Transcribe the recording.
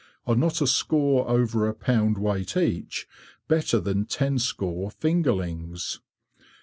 Are not a score over a pound weight each better than ten score fingerlings?